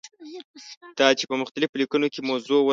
دا چې په مختلفو لیکنو کې موضوع ورسوي.